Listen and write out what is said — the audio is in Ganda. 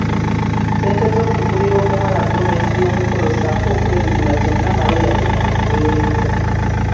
Ssente z'okugulira omuwala gomesi y'omukolo ssaako okwezigula zonna Male yali aziweerezza.